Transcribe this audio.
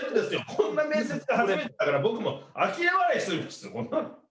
こんな面接って初めてだから僕もあきれ笑いしてこんなの。